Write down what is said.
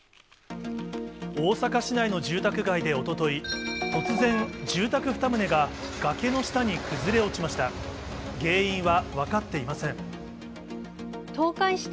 大阪市内の住宅街でおととい、突然、住宅２棟が崖の下に崩れ落ちました。